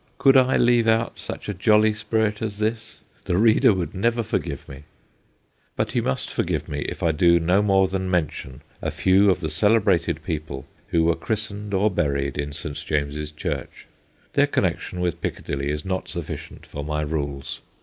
Could I leave out such a jolly spirit as this ? The reader would never forgive me. But he must forgive me if I do no more than mention a few of the celebrated people who were christened or buried in St. James's Church. Their connection with Piccadilly is not sufficient for my rules.